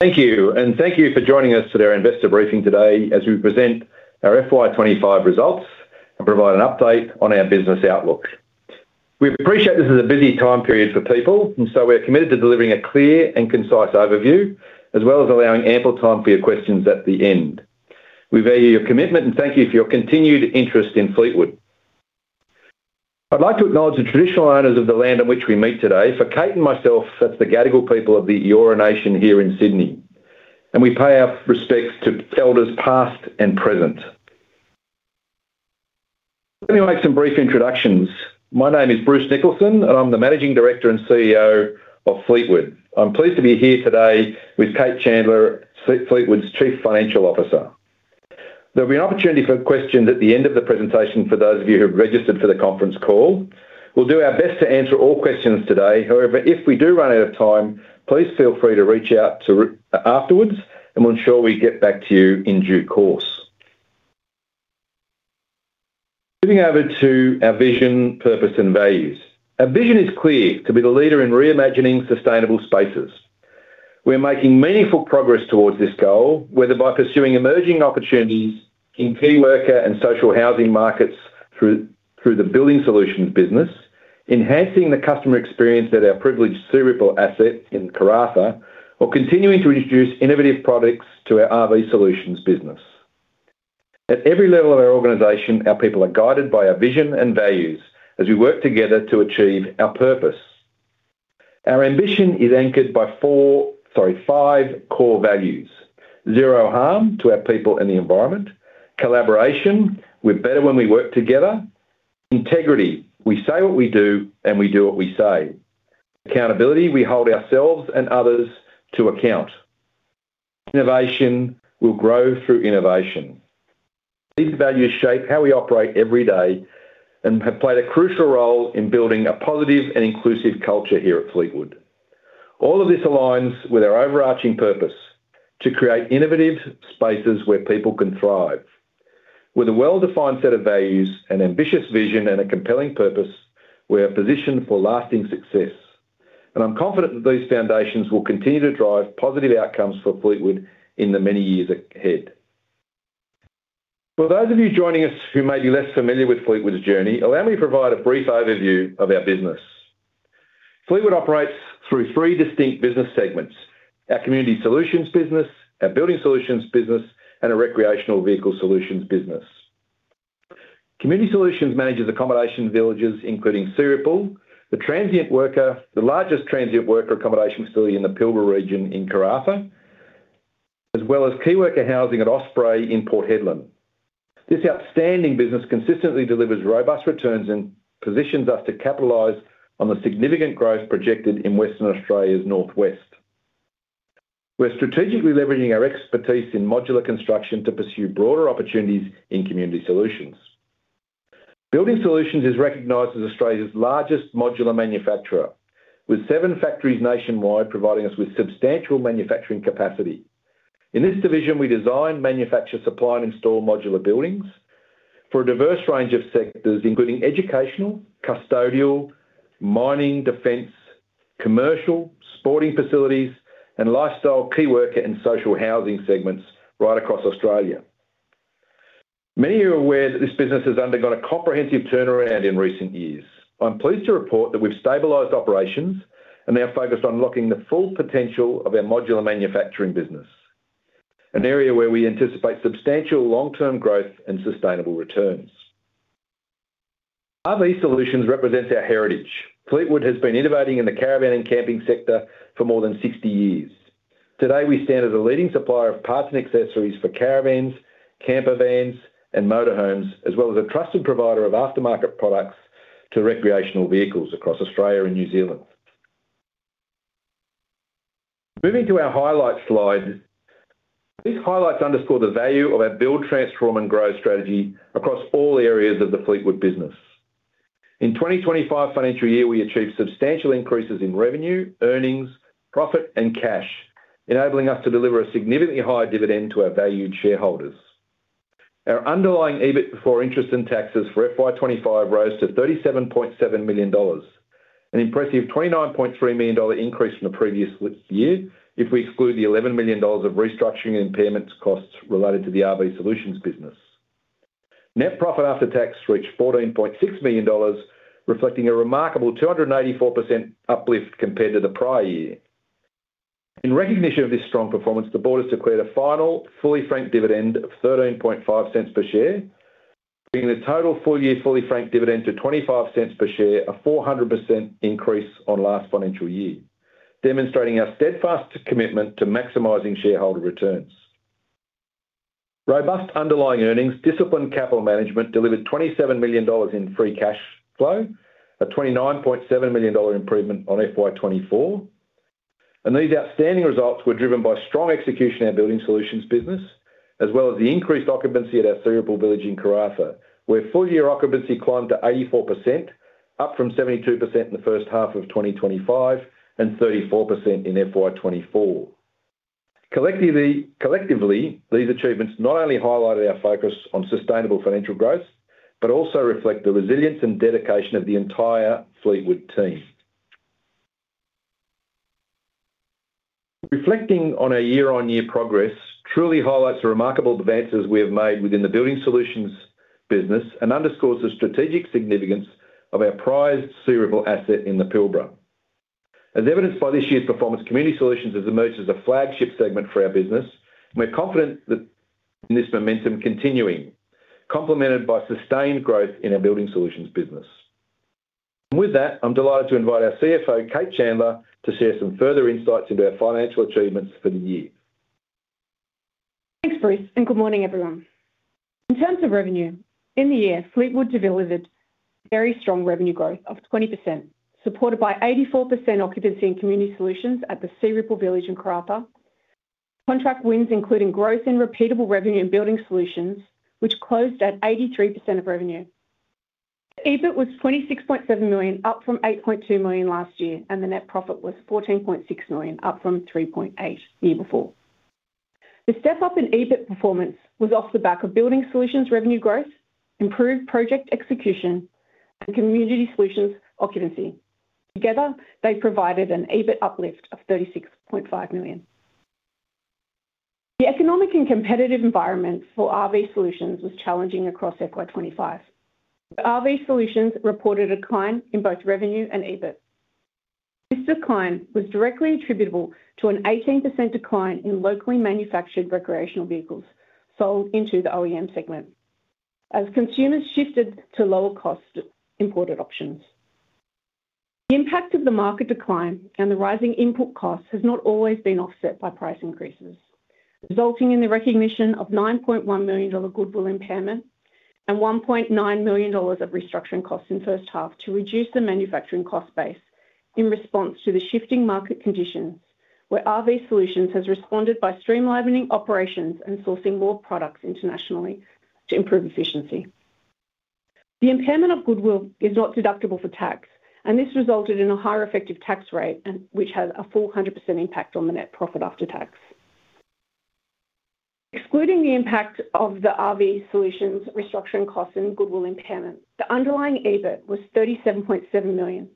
Thank you, and thank you for joining us today for our investor briefing as we present our FY 2025 results and provide an update on our business outlook. We appreciate this is a busy time period for people, and we are committed to delivering a clear and concise overview, as well as allowing ample time for your questions at the end. We value your commitment and thank you for your continued interest in Fleetwood. I'd like to acknowledge the traditional owners of the land on which we meet today. For Cate and myself, that's the Gadigal people of the Eora Nation here in Sydney. We pay our respects to elders past and present. Let me make some brief introductions. My name is Bruce Nicholson, and I'm the Managing Director and CEO of Fleetwood Ltd. I'm pleased to be here today with Cate Chandler, Fleetwood Ltd's Chief Financial Officer. There will be an opportunity for questions at the end of the presentation for those of you who have registered for the conference call. We'll do our best to answer all questions today. However, if we do run out of time, please feel free to reach out to us afterwards, and we'll ensure we get back to you in due course. Moving over to our vision, purpose, and values. Our vision is clear: to be the leader in reimagining sustainable spaces. We're making meaningful progress towards this goal, whether by pursuing emerging opportunities in key worker and social housing markets through the Building Solutions business, enhancing the customer experience at our privileged Searipple Village asset in Karratha, or continuing to introduce innovative products to our RV Solutions business. At every level of our organization, our people are guided by our vision and values as we work together to achieve our purpose. Our ambition is anchored by five core values: zero harm to our people and the environment; collaboration, we're better when we work together; integrity, we say what we do and we do what we say; accountability, we hold ourselves and others to account; innovation, we'll grow through innovation. These values shape how we operate every day and have played a crucial role in building a positive and inclusive culture here at Fleetwood. All of this aligns with our overarching purpose to create innovative spaces where people can thrive. With a well-defined set of values, an ambitious vision, and a compelling purpose, we're positioned for lasting success. I'm confident that these foundations will continue to drive positive outcomes for Fleetwood in the many years ahead. For those of you joining us who may be less familiar with Fleetwood's journey, allow me to provide a brief overview of our business. Fleetwood operates through three distinct business segments: our community solutions business, our building solutions business, and a recreational vehicle solutions business. Community solutions manages accommodation villages, including Searipple Village, the largest transient worker accommodation facility in the Pilbara region in Karratha, as well as key worker housing at Osprey Village in Port Hedland. This outstanding business consistently delivers robust returns and positions us to capitalize on the significant growth projected in Western Australia's Northwest. We're strategically leveraging our expertise in modular construction to pursue broader opportunities in community solutions. Building solutions is recognized as Australia's largest modular manufacturer, with seven factories nationwide providing us with substantial manufacturing capacity. In this division, we design, manufacture, supply, and install modular buildings for a diverse range of sectors, including educational, custodial, mining, defense, commercial, sporting facilities, and lifestyle key worker and social housing segments right across Australia. Many are aware that this business has undergone a comprehensive turnaround in recent years. I'm pleased to report that we've stabilized operations and are now focused on unlocking the full potential of our modular manufacturing business, an area where we anticipate substantial long-term growth and sustainable returns. RV solutions represents our heritage. Fleetwood has been innovating in the caravan and camping sector for more than 60 years. Today, we stand as a leading supplier of parts and accessories for caravans, campervans, and motorhomes, as well as a trusted provider of aftermarket products to recreational vehicles across Australia and New Zealand. Moving to our highlight slide, these highlights underscore the value of our build, transform, and grow strategy across all areas of the Fleetwood business. In the 2025 financial year, we achieved substantial increases in revenue, earnings, profit, and cash, enabling us to deliver a significantly higher dividend to our valued shareholders. Our underlying EBIT before interest and taxes for FY 2025 rose to $37.7 million, an impressive $29.3 million increase from the previous year, if we exclude the $11 million of restructuring and impairment costs related to the RV Solutions business. Net profit after tax reached $14.6 million, reflecting a remarkable 284% uplift compared to the prior year. In recognition of this strong performance, the board has declared a final fully franked dividend of $13.5 per share, bringing the total full year fully franked dividend to $0.25 per share, a 400% increase on last financial year, demonstrating our steadfast commitment to maximizing shareholder returns. Robust underlying earnings and disciplined capital management delivered $27 million in free cash flow, a $29.7 million improvement on FY 2024. These outstanding results were driven by strong execution in our Building Solutions business, as well as the increased occupancy at our Searipple Village in Karratha, where full year occupancy climbed to 84%, up from 72% in the first half of 2025 and 34% in FY 2024. Collectively, these achievements not only highlighted our focus on sustainable financial growth, but also reflect the resilience and dedication of the entire Fleetwood team. Reflecting on our year-on-year progress truly highlights the remarkable advances we have made within the Building Solutions business and underscores the strategic significance of our prized Searipple asset in the Pilbara. As evidenced by this year's performance, Community Solutions has emerged as a flagship segment for our business, and we're confident that this momentum continues, complemented by sustained growth in our Building Solutions business. With that, I'm delighted to invite our CFO, Cate Chandler, to share some further insights into our financial achievements for the year. Thanks, Bruce, and good morning, everyone. In terms of revenue, in the year, Fleetwood delivered very strong revenue growth of 20%, supported by 84% occupancy in Community Solutions at the Searipple Village in Karratha. Contract wins included growth in repeatable revenue in Building Solutions, which closed at 83% of revenue. EBIT was $26.7 million, up from $8.2 million last year, and the net profit was $14.6 million, up from $3.8 million the year before. The step up in EBIT performance was off the back of Building Solutions revenue growth, improved project execution, and community solutions occupancy. Together, they provided an EBIT uplift of $36.5 million. The economic and competitive environment for RV solutions was challenging across FY 2025. RV solutions reported a decline in both revenue and EBIT. This decline was directly attributable to an 18% decline in locally manufactured recreational vehicles sold into the OEM segment, as consumers shifted to lower cost imported options. The impact of the market decline and the rising input costs has not always been offset by price increases, resulting in the recognition of $9.1 million goodwill impairment and $1.9 million of restructuring costs in the first half to reduce the manufacturing cost base in response to the shifting market condition, where RV solutions has responded by streamlining operations and sourcing more products internationally to improve efficiency. The impairment of goodwill is not deductible for tax, and this resulted in a higher effective tax rate, which had a 400% impact on the net profit after tax. Excluding the impact of the RV solutions restructuring costs and goodwill impairment, the underlying EBIT was $37.7 million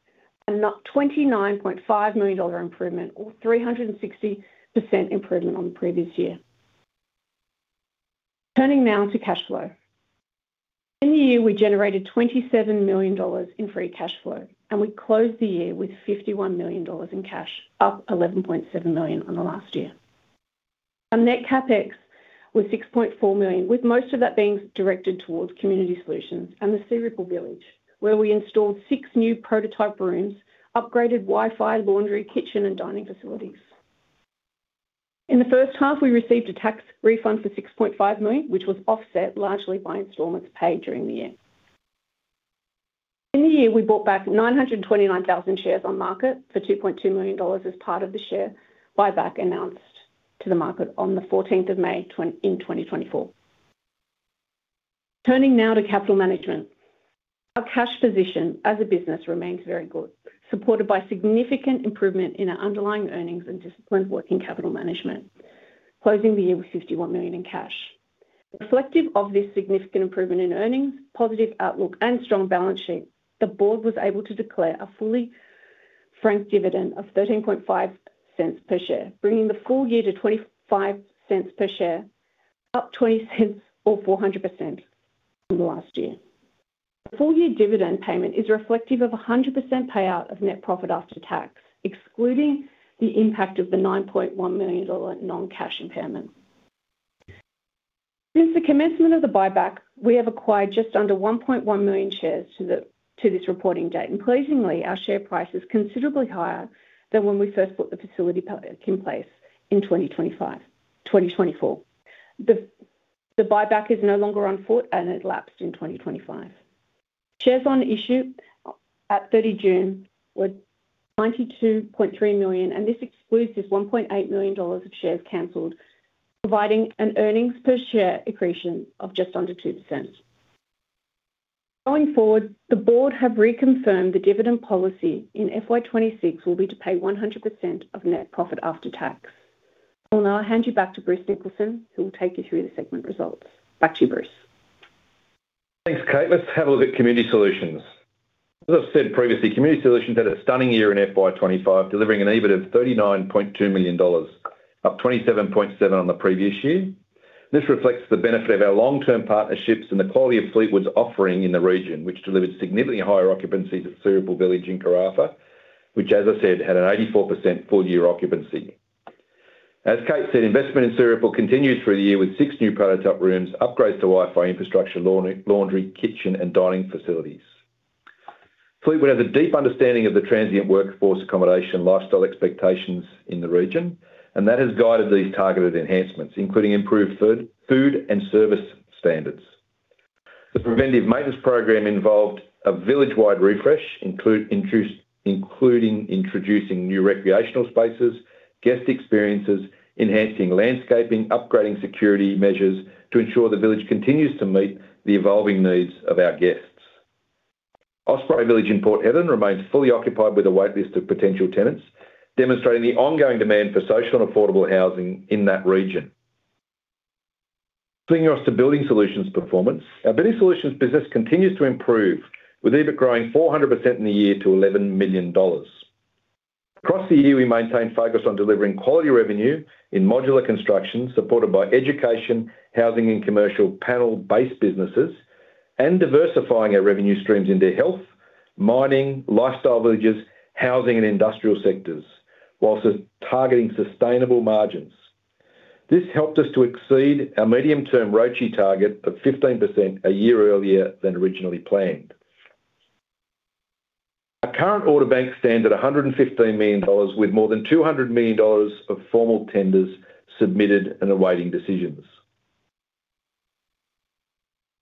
and not $29.5 million improvement, or 360% improvement on the previous year. Turning now to cash flow. In the year, we generated $27 million in free cash flow, and we closed the year with $51 million in cash, up $11.7 million on the last year. Our net CapEx was $6.4 million, with most of that being directed towards Community Solutions and the Searipple Village, where we installed six new prototype rooms, upgraded Wi-Fi, laundry, kitchen, and dining facilities. In the first half, we received a tax refund for $6.5 million, which was offset largely by instalments paid during the year. In the year, we bought back 929,000 shares on market for $2.2 million as part of the share buyback announced to the market on the 14th of May in 2024. Turning now to capital management. Our cash position as a business remains very good, supported by significant improvement in our underlying earnings and disciplined working capital management, closing the year with $51 million in cash. Reflective of this significant improvement in earnings, positive outlook, and strong balance sheet, the board was able to declare a fully franked dividend of $13.5 per share, bringing the full year to $0.25 per share, up $0.20 or 400% from last year. The full year dividend payment is reflective of 100% payout of net profit after tax, excluding the impact of the $9.1 million non-cash impairment. Since the commencement of the buyback, we have acquired just under 1.1 million shares to this reporting date, and pleasingly, our share price is considerably higher than when we first put the facility in place in 2024. The buyback is no longer on foot, and it lapsed in 2025. Shares on issue at 30 June were $92.3 million, and this excludes $1.8 million of shares cancelled, providing an earnings per share accretion of just under 2%. Going forward, the board has reconfirmed the dividend policy in FY 2026 will be to pay 100% of net profit after tax. I'll now hand you back to Bruce Nicholson, who will take you through the segment results. Back to you, Bruce. Thanks, Cate. Let's have a look at Community Solutions. As I've said previously, Community Solutions had a stunning year in FY 2025, delivering an EBIT of $39.2 million, up 27.7% on the previous year. This reflects the benefit of our long-term partnerships and the quality of Fleetwood's offering in the region, which delivered significantly higher occupancy to Searipple Village in Karratha, which, as I said, had an 84% full year occupancy. As Cate said, investment in Searipple continued through the year with six new prototype rooms, upgrades to Wi-Fi infrastructure, laundry, kitchen, and dining facilities. Fleetwood has a deep understanding of the transient workforce accommodation lifestyle expectations in the region, and that has guided these targeted enhancements, including improved food and service standards. The preventive maintenance program involved a village-wide refresh, including introducing new recreational spaces, guest experiences, enhancing landscaping, and upgrading security measures to ensure the village continues to meet the evolving needs of our guests. Osprey Village in Port Hedland remains fully occupied with a waitlist of potential tenants, demonstrating the ongoing demand for social and affordable housing in that region. Moving on to Building Solutions performance, our Building Solutions business continues to improve, with EBIT growing 400% in the year to $11 million. Across the year, we maintained focus on delivering quality revenue in modular construction, supported by education, housing, and commercial panel-based businesses, and diversifying our revenue streams into health, mining, lifestyle villages, housing, and industrial sectors, whilst targeting sustainable margins. This helped us to exceed our medium-term ROCHI target of 15% a year earlier than originally planned. Our current order bank stands at $115 million, with more than $200 million of formal tenders submitted and awaiting decisions.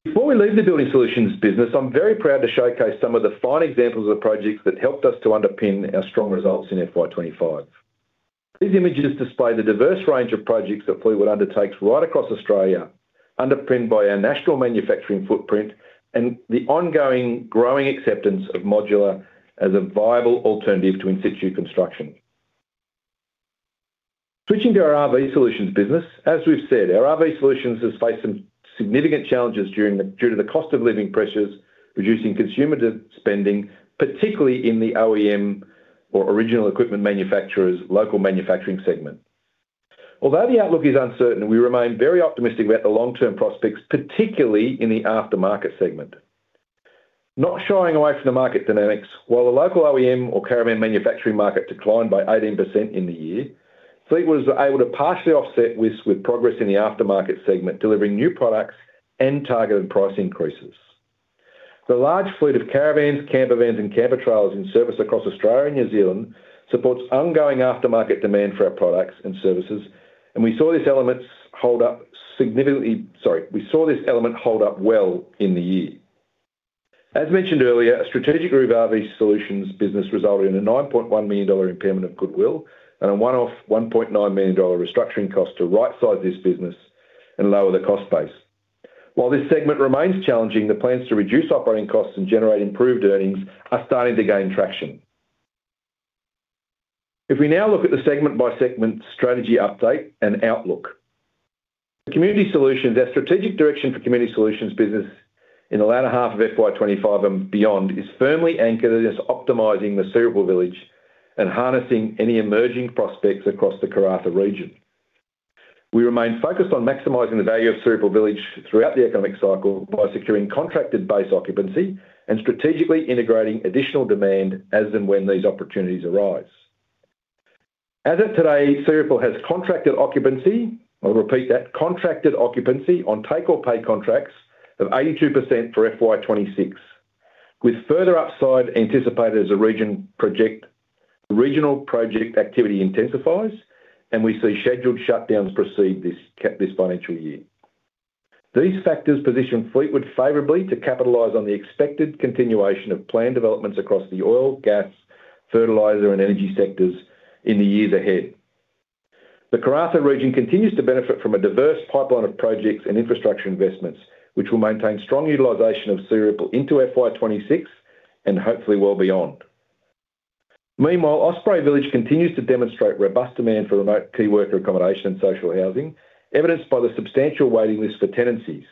Before we leave the Building Solutions business, I'm very proud to showcase some of the fine examples of projects that helped us to underpin our strong results in FY 2025. These images display the diverse range of projects that Fleetwood undertakes right across Australia, underpinned by our national manufacturing footprint and the ongoing growing acceptance of modular as a viable alternative to in-situ construction. Switching to our RV Solutions business, as we've said, our RV solutions has faced some significant challenges due to the cost of living pressures, reducing consumer spending, particularly in the OEM or original equipment manufacturer's local manufacturing segment. Although the outlook is uncertain, we remain very optimistic about the long-term prospects, particularly in the aftermarket segment. Not shying away from the market dynamics, while the local OEM or caravan manufacturing market declined by 18% in the year, Fleetwood was able to partially offset this with progress in the aftermarket segment, delivering new products and targeting price increases. The large fleet of caravans, campervans, and camper trailers in service across Australia and New Zealand supports ongoing aftermarket demand for our products and services, and we saw this element hold up well in the year. As mentioned earlier, a strategic move of RV Solutions business resulted in a $9.1 million impairment of goodwill and a one-off $1.9 million restructuring cost to right-size this business and lower the cost base. While this segment remains challenging, the plans to reduce operating costs and generate improved earnings are starting to gain traction. If we now look at the segment-by-segment strategy update and outlook, the community solutions, our strategic direction for community solutions business in the latter half of FY 2025 and beyond, is firmly anchored in optimizing the Searipple Village and harnessing any emerging prospects across the Karratha region. We remain focused on maximizing the value of Searipple Village throughout the economic cycle by securing contracted base occupancy and strategically integrating additional demand as and when these opportunities arise. As of today, Searipple has contracted occupancy, I'll repeat that, contracted occupancy on take-or-pay contracts of 82% for FY 2026, with further upside anticipated as regional project activity intensifies, and we see scheduled shutdowns proceed this financial year. These factors position Fleetwood favorably to capitalize on the expected continuation of planned developments across the oil, gas, fertilizer, and energy sectors in the years ahead. The Karratha region continues to benefit from a diverse pipeline of projects and infrastructure investments, which will maintain strong utilization of Searipple into FY 2026 and hopefully well beyond. Meanwhile, Osprey Village continues to demonstrate robust demand for remote key worker accommodation and social housing, evidenced by the substantial waiting list for tenancies.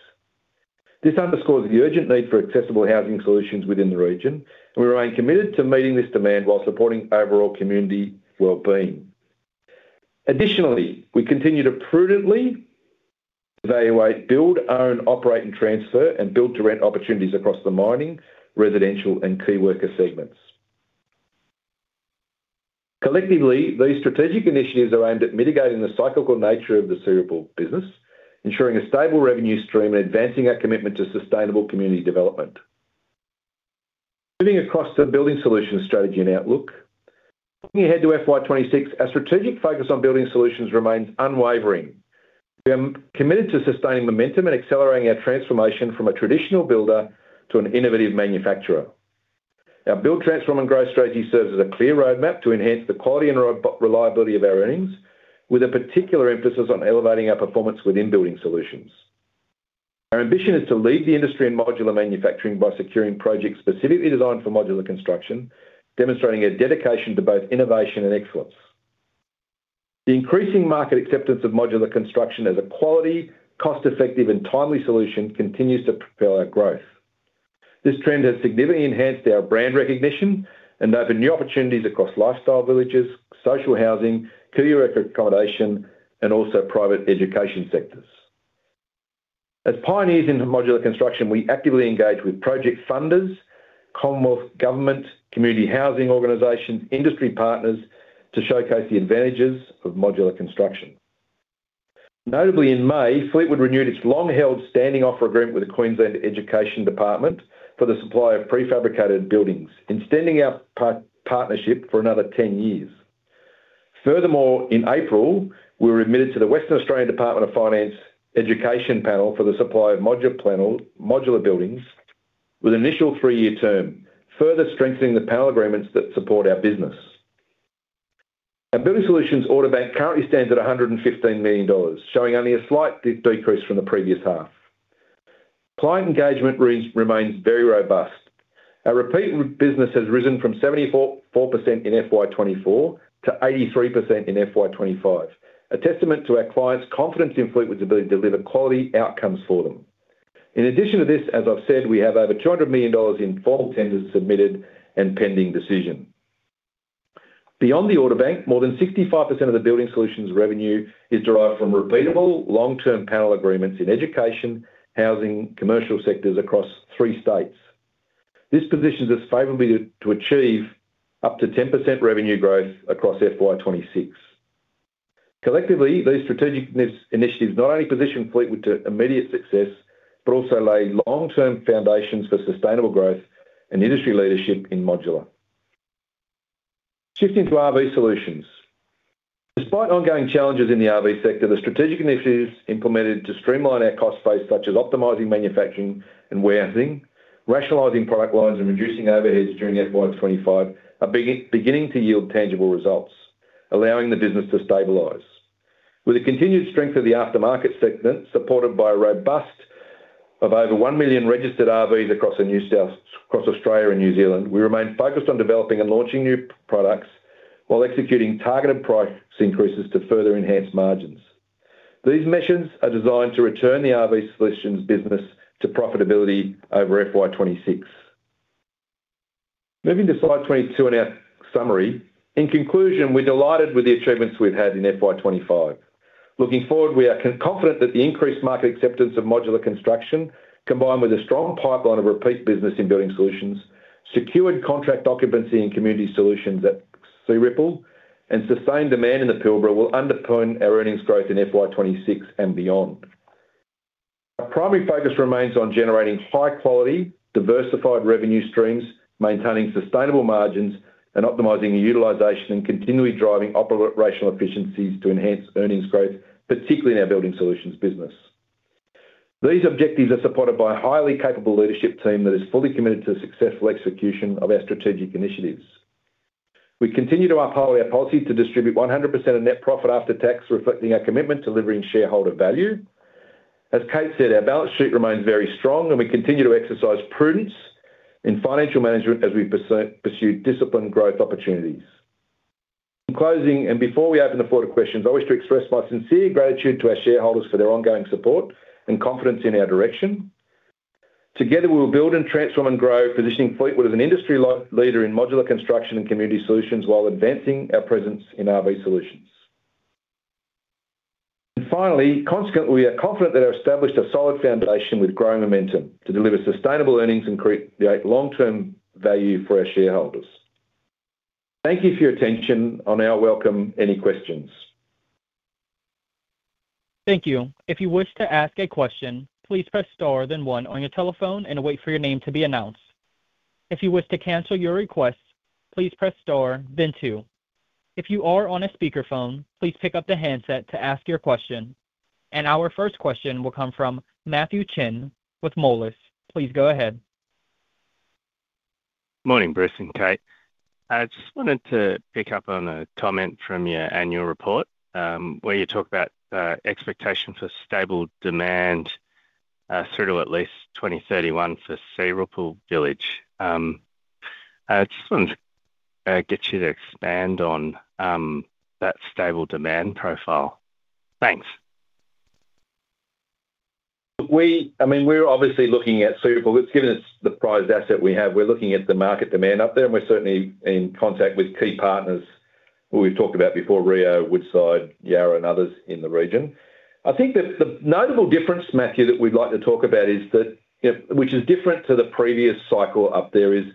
This underscores the urgent need for accessible housing solutions within the region, and we remain committed to meeting this demand while supporting overall community wellbeing. Additionally, we continue to prudently evaluate build, own, operate, and transfer, and build to rent opportunities across the mining, residential, and key worker segments. Collectively, these strategic initiatives are aimed at mitigating the cyclical nature of the Community Solutions business, ensuring a stable revenue stream, and advancing our commitment to sustainable community development. Moving across the Building Solutions strategy and outlook, looking ahead to FY 2026, our strategic focus on Building Solutions remains unwavering. We are committed to sustaining momentum and accelerating our transformation from a traditional builder to an innovative manufacturer. Our build, transform, and grow strategy serves as a clear roadmap to enhance the quality and reliability of our earnings, with a particular emphasis on elevating our performance within Building Solutions. Our ambition is to lead the industry in modular manufacturing by securing projects specifically designed for modular construction, demonstrating a dedication to both innovation and excellence. The increasing market acceptance of modular construction as a quality, cost-effective, and timely solution continues to propel our growth. This trend has significantly enhanced our brand recognition and opened new opportunities across lifestyle villages, social housing, community accommodation, and also private education sectors. As pioneers in modular construction, we actively engage with project funders, Commonwealth Government, community housing organisations, and industry partners to showcase the advantages of modular construction. Notably, in May, Fleetwood renewed its long-held standing offer agreement with the Queensland Education Department for the supply of prefabricated buildings, extending our partnership for another 10 years. Furthermore, in April, we were admitted to the Western Australian Department of Finance Education Panel for the supply of modular buildings with an initial three-year term, further strengthening the panel agreements that support our business. Our Building Solutions order bank currently stands at $115 million, showing only a slight decrease from the previous half. Client engagement remains very robust. Our repeat business has risen from 74% in FY 2024 to 83% in FY 2025, a testament to our clients' confidence in Fleetwood ability to deliver quality outcomes for them. In addition to this, as I've said, we have over $200 million in formal tenders submitted and pending decisions. Beyond the order bank, more than 65% of the Building Solutions revenue is derived from repeatable long-term panel agreements in education, housing, and commercial sectors across three states. This positions us favorably to achieve up to 10% revenue growth across FY 2026. Collectively, these strategic initiatives not only position Fleetwood to immediate success but also lay long-term foundations for sustainable growth and industry leadership in modular. Shifting to RV solutions. Despite ongoing challenges in the RV sector, the strategic initiatives implemented to streamline our cost base, such as optimizing manufacturing and warehousing, rationalizing product lines, and reducing overheads during FY 2025, are beginning to yield tangible results, allowing the business to stabilize. With the continued strength of the aftermarket segment, supported by a robust number of over 1 million registered RVs across Australia and New Zealand, we remain focused on developing and launching new products while executing targeted price increases to further enhance margins. These missions are designed to return the RV Solutions business to profitability over FY 2026. Moving to slide 22 and our summary, in conclusion, we're delighted with the achievements we've had in FY 2025. Looking forward, we are confident that the increased market acceptance of modular construction, combined with a strong pipeline of repeat business in Building Solutions, secured contract occupancy in Community Solutions at Searipple Village, and sustained demand in the Pilbara will underpin our earnings growth in FY 2026 and beyond. Our primary focus remains on generating high-quality, diversified revenue streams, maintaining sustainable margins, and optimizing utilization and continually driving operational efficiencies to enhance earnings growth, particularly in our building solutions business. These objectives are supported by a highly capable leadership team that is fully committed to the successful execution of our strategic initiatives. We continue to uphold our policy to distribute 100% of net profit after tax, reflecting our commitment to delivering shareholder value. As Cate said, our balance sheet remains very strong, and we continue to exercise prudence in financial management as we pursue disciplined growth opportunities. In closing, and before we open the board of questions, I wish to express my sincere gratitude to our shareholders for their ongoing support and confidence in our direction. Together, we will build and transform and grow, positioning Fleetwood as an industry leader in modular construction and community solutions while advancing our presence in RV solutions. Finally, consequently, we are confident that we have established a solid foundation with growing momentum to deliver sustainable earnings and create long-term value for our shareholders. Thank you for your attention, and I welcome any questions. Thank you. If you wish to ask a question, please press star, then one on your telephone and wait for your name to be announced. If you wish to cancel your request, please press star, then two. If you are on a speakerphone, please pick up the handset to ask your question, and our first question will come from Matthew Chen with Moelis. Please go ahead. Morning, Bruce and Cate. I just wanted to pick up on a comment from your annual report where you talk about expectation for stable demand through to at least 2031 for Searipple Village. I just wanted to get you to expand on that stable demand profile. Thanks. I mean, we're obviously looking at Searipple Village. It's given us the prized asset we have. We're looking at the market demand up there, and we're certainly in contact with key partners who we've talked about before, Rio, Woodside, Yara, and others in the region. I think that the notable difference, Matthew, that we'd like to talk about is that, which is different to the previous cycle up there, is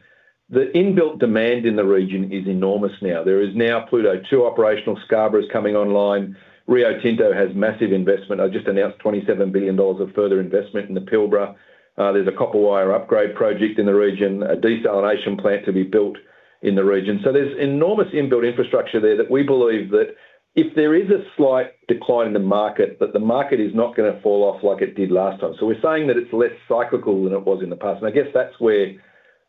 the inbuilt demand in the region is enormous now. There is now Pluto 2 operational, Scarborough is coming online. Rio Tinto has massive investment. They just announced $27 billion of further investment in the Pilbara. There's a copper wire upgrade project in the region, a desalination plant to be built in the region. There's enormous inbuilt infrastructure there that we believe that if there is a slight decline in the market, the market is not going to fall off like it did last time. We're saying that it's less cyclical than it was in the past. I guess that's where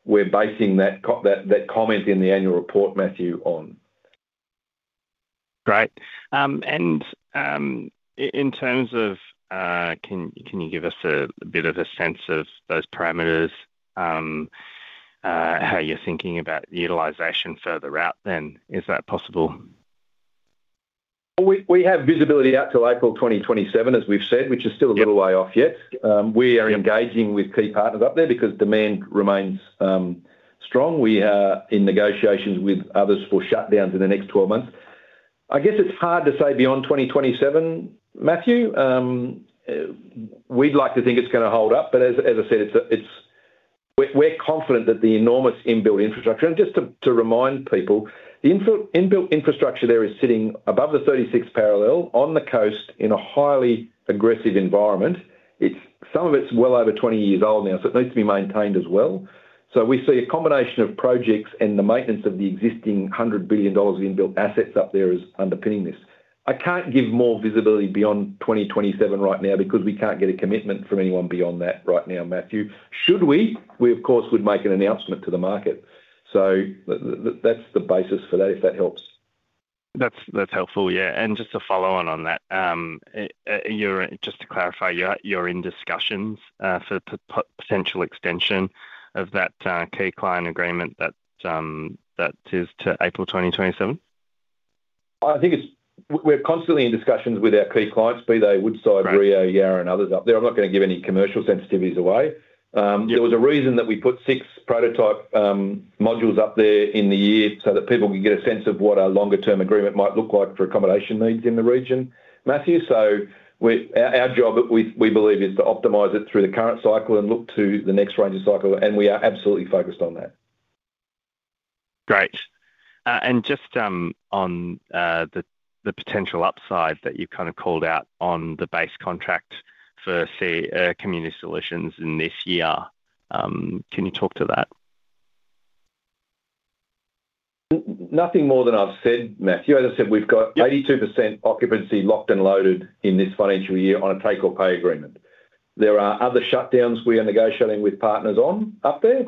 we're basing that comment in the annual report, Matthew, on. Right. In terms of, can you give us a bit of a sense of those parameters, how you're thinking about utilisation further out then? Is that possible? We have visibility out till April 2027, as we've said, which is still a little way off yet. We are engaging with key partners up there because demand remains strong. We are in negotiations with others for shutdowns in the next 12 months. I guess it's hard to say beyond 2027, Matthew. We'd like to think it's going to hold up, but as I said, we're confident that the enormous inbuilt infrastructure, and just to remind people, the inbuilt infrastructure there is sitting above the 36th parallel on the coast in a highly aggressive environment. Some of it's well over 20 years old now, so it needs to be maintained as well. We see a combination of projects and the maintenance of the existing $100 billion of inbuilt assets up there as underpinning this. I can't give more visibility beyond 2027 right now because we can't get a commitment from anyone beyond that right now, Matthew. Should we, we, of course, would make an announcement to the market. That's the basis for that, if that helps. That's helpful, yeah. Just to follow on that, just to clarify, you're in discussions for potential extension of that key client agreement that is to April 2027? I think we're constantly in discussions with our key clients, Pluto, Woodside, Rio, Yarra, and others up there. I'm not going to give any commercial sensitivities away. There was a reason that we put six prototype modules up there in the year so that people could get a sense of what our longer-term agreement might look like for accommodation needs in the region, Matthew. Our job, we believe, is to optimize it through the current cycle and look to the next range of cycle, and we are absolutely focused on that. Great. Just on the potential upside that you kind of called out on the base contract for, say, community solutions in this year, can you talk to that? Nothing more than I've said, Matthew. As I said, we've got 82% occupancy locked and loaded in this financial year on a take-or-pay agreement. There are other shutdowns we are negotiating with partners on up there.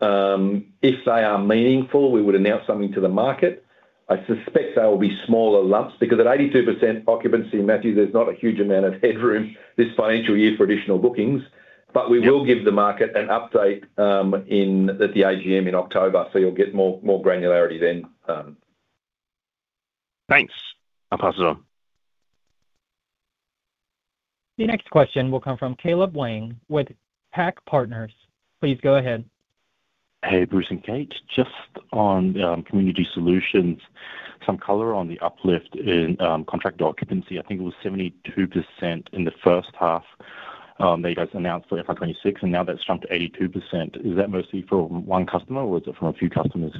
If they are meaningful, we would announce something to the market. I suspect they will be smaller lumps because at 82% occupancy, Matthew, there's not a huge amount of headroom this financial year for additional bookings. We will give the market an update at the AGM in October, so you'll get more granularity then. Thanks. I'll pass it on. The next question will come from Caleb Weng with PAC Partners. Please go ahead. Hey, Bruce and Cate. Just on community solutions, some color on the uplift in contract occupancy. I think it was 72% in the first half that you guys announced for FY 2026, and now that's jumped to 82%. Is that mostly from one customer or is it from a few customers?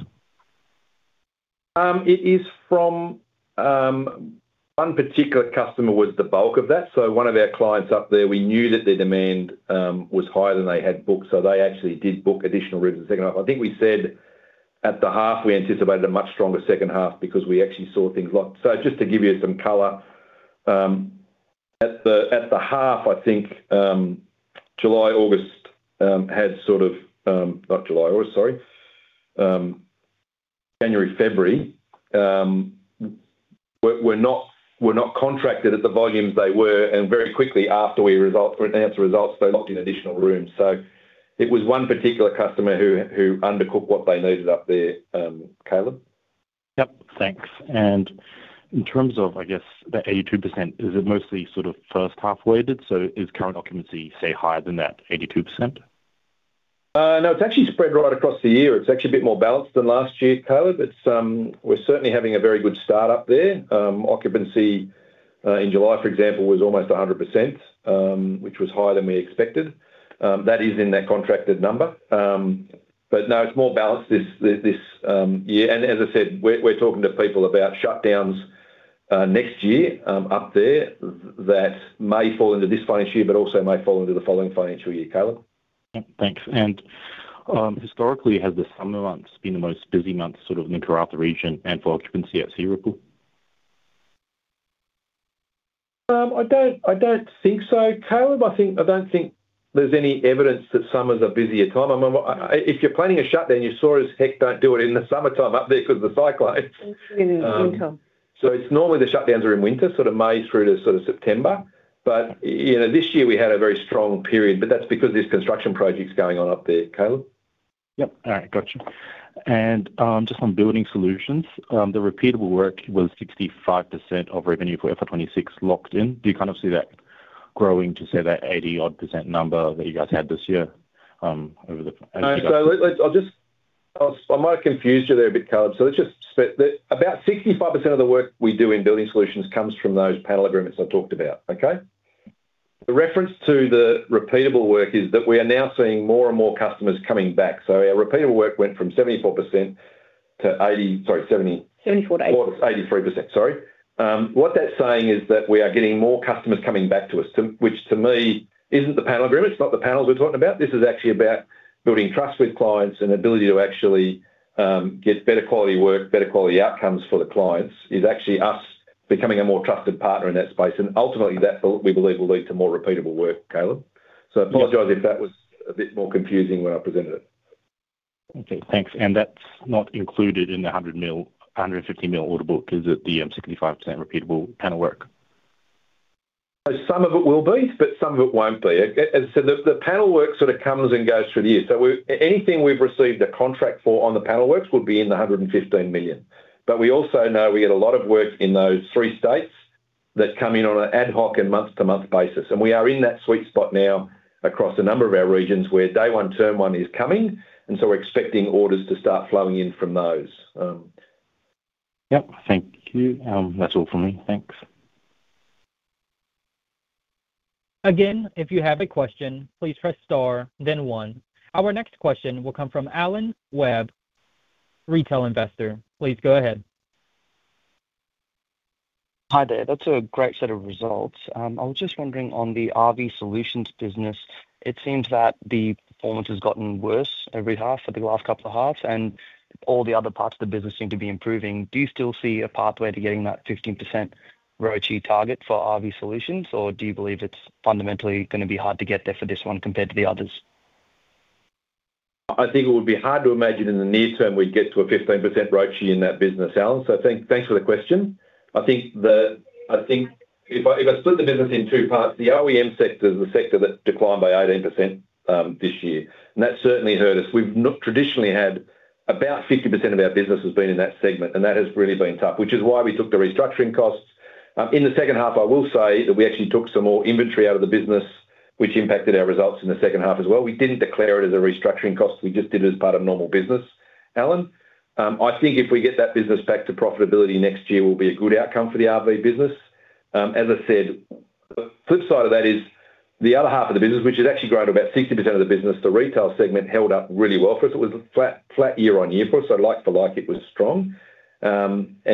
It is from one particular customer was the bulk of that. One of our clients up there, we knew that their demand was higher than they had booked, so they actually did book additional rooms in the second half. I think we said at the half we anticipated a much stronger second half because we actually saw things locked. Just to give you some color, at the half, I think January, February were not contracted at the volume they were, and very quickly after we announced the results, they locked in additional rooms. It was one particular customer who undercooked what they needed up there, Caleb. Thanks. In terms of, I guess, that 82%, is it mostly sort of first half weighted? Is current occupancy, say, higher than that 82%? No, it's actually spread right across the year. It's actually a bit more balanced than last year, Caleb. We're certainly having a very good start up there. Occupancy in July, for example, was almost 100%, which was higher than we expected. That is in that contracted number. No, it's more balanced this year. As I said, we're talking to people about shutdowns next year up there that may fall into this financial year, but also may fall into the following financial year, Caleb. Thanks. Historically, have the summer months been the most busy months in the Karratha region and for occupancy at Searipple Village? I don't think so, Caleb. I don't think there's any evidence that summers are a busier time. I mean, if you're planning a shutdown, you sure as heck don't do it in the summertime up there because of the cyclone. It is winter. Normally the shutdowns are in winter, sort of May through to sort of September. This year we had a very strong period, but that's because there's construction projects going on up there, Caleb. All right, gotcha. Just on building solutions, the repeatable work was 65% of revenue for FY 2026 locked in. Do you kind of see that growing to, say, that 80% number that you guys had this year? I might have confused you there a bit, Caleb. Let's just split about 65% of the work we do in building solutions comes from those panel agreements I talked about, okay? The reference to the repeatable work is that we are now seeing more and more customers coming back. Our repeatable work went from 74%-80, sorry, 70. 84%. 84%. Sorry. What that's saying is that we are getting more customers coming back to us, which to me isn't the panel agreement. It's not the panels we're talking about. This is actually about building trust with clients and ability to actually get better quality work, better quality outcomes for the clients. It's actually us becoming a more trusted partner in that space. Ultimately, that we believe will lead to more repeatable work, Caleb. I apologize if that was a bit more confusing when I presented it. Okay, thanks. That's not included in the $150 million audible because of the 65% repeatable panel work. Some of it will be, but some of it won't be. As I said, the panel work sort of comes and goes through the year. Anything we've received a contract for on the panel works would be in the $115 million. We also know we get a lot of work in those three states that come in on an ad hoc and month-to-month basis. We are in that sweet spot now across a number of our regions where day one, term one is coming, and we're expecting orders to start flowing in from those. Thank you. That's all for me. Thanks. Again, if you have a question, please press star, then one. Our next question will come from Allen Webb, retail investor. Please go ahead. Hi there. That's a great set of results. I was just wondering on the RV solutions business, it seems that the performance has gotten worse every half for the last couple of halves, and all the other parts of the business seem to be improving. Do you still see a pathway to getting that 15% ROCHI target for RV solutions, or do you believe it's fundamentally going to be hard to get there for this one compared to the others? I think it would be hard to imagine in the near term we'd get to a 15% ROCHI in that business, Alan. Thanks for the question. I think if I split the business in two parts, the OEM sector is the sector that declined by 18% this year, and that certainly hurt us. We've traditionally had about 50% of our business in that segment, and that has really been tough, which is why we took the restructuring costs. In the second half, I will say that we actually took some more inventory out of the business, which impacted our results in the second half as well. We didn't declare it as a restructuring cost. We just did it as part of normal business, Alan. I think if we get that business back to profitability next year, it will be a good outcome for the RV business. As I said, the flip side of that is the other half of the business, which has actually grown. About 60% of the business, the retail segment, held up really well for us. It was flat year on year for us. Like for like, it was strong. We're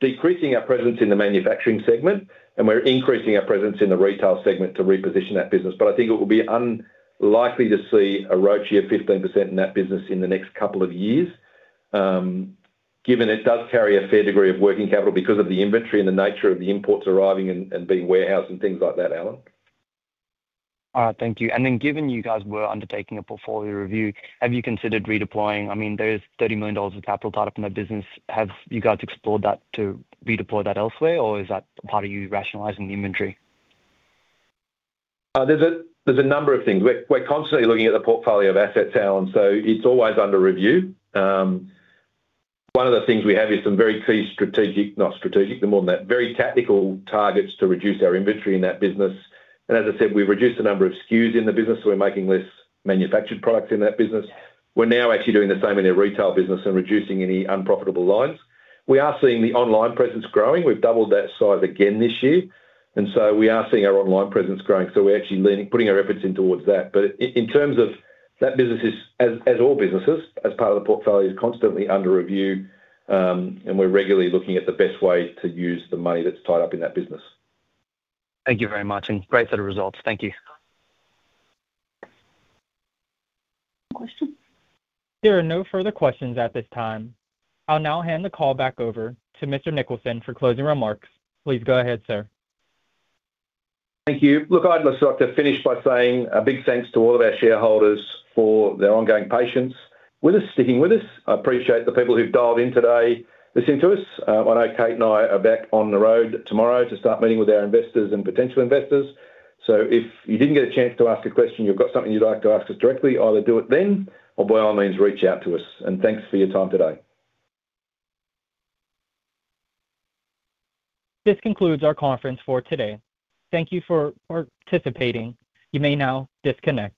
decreasing our presence in the manufacturing segment, and we're increasing our presence in the retail segment to reposition that business. I think it will be unlikely to see a ROCHI of 15% in that business in the next couple of years, given it does carry a fair degree of working capital because of the inventory and the nature of the imports arriving and being warehoused and things like that, Alan. Thank you. Given you guys were undertaking a portfolio review, have you considered redeploying? I mean, there's $30 million of capital tied up in the business. Have you guys explored that to redeploy that elsewhere, or is that a part of you rationalizing the inventory? are a number of things. We're constantly looking at the portfolio of assets, Alan, so it's always under review. One of the things we have is some very key, not strategic, more than that, very tactical targets to reduce our inventory in that business. As I said, we've reduced the number of SKUs in the business, so we're making fewer manufactured products in that business. We're now actually doing the same in the retail business and reducing any unprofitable lines. We are seeing the online presence growing. We've doubled that size again this year, and we are seeing our online presence growing. We're actually putting our efforts towards that. In terms of that business, as all businesses as part of the portfolio, it is constantly under review, and we're regularly looking at the best way to use the money that's tied up in that business. Thank you very much, and great set of results. Thank you. There are no further questions at this time. I'll now hand the call back over to Mr. Nicholson for closing remarks. Please go ahead, sir. Thank you. I'd like to finish by saying a big thanks to all of our shareholders for their ongoing patience with us, sticking with us. I appreciate the people who've dialed in today, listening to us. I know Cate and I are back on the road tomorrow to start meeting with our investors and potential investors. If you didn't get a chance to ask a question, you've got something you'd like to ask us directly, either do it then, or by all means, reach out to us. Thanks for your time today. This concludes our conference for today. Thank you for participating. You may now disconnect.